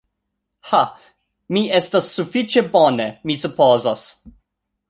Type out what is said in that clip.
Ha, mi estas sufiĉe bone, mi supozas.